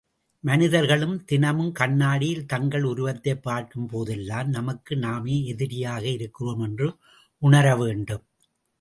மனிதர்களும் தினமும் கண்ணாடியில் தங்கள் உருவத்தைப் பார்க்கும் போதெல்லாம், நமக்கு நாமே எதிரியாக இருக்கிறோம் என்று உணர வேண்டும்.